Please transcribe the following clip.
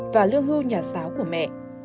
và lương hưu nhà xáo của mẹ